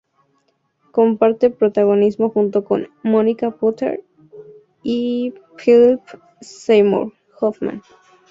Comparte protagonismo junto con Monica Potter y Philip Seymour Hoffman.